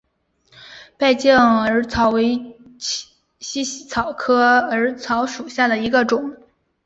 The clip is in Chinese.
败酱耳草为茜草科耳草属下的一个种。